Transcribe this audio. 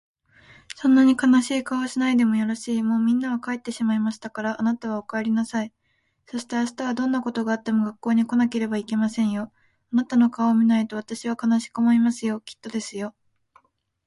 「そんなに悲しい顔をしないでもよろしい。もうみんなは帰ってしまいましたから、あなたはお帰りなさい。そして明日はどんなことがあっても学校に来なければいけませんよ。あなたの顔を見ないと私は悲しく思いますよ。屹度ですよ。」